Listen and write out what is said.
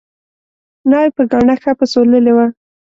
ناوې په ګاڼه ښه پسوللې وه